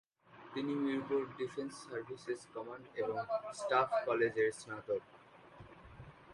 তিনি মিরপুরের defence services command এবং স্টাফ কলেজের স্নাতক।